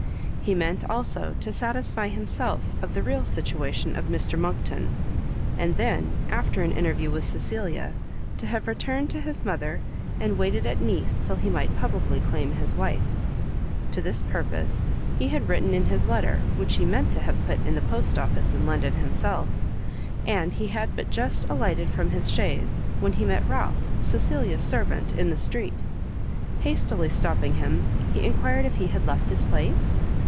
He meant, also, to satisfy himself, of the real situation of Mr Monckton, and then, after an interview with Cecilia, to have returned to his mother, and waited at Nice till he might publicly claim his wife. To this purpose he had written in his letter, which he meant to have put in the Post office in London himself; and he had but just alighted from his chaise, when he met Ralph, Cecilia's servant, in the street. Hastily stopping him, he enquired if he had left his place?